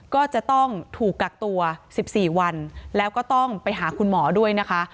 ก็จะต้องถูกกักตัว๑๔วันแล้วก็ต้องไปหาคุณหมอด้วยนะคะ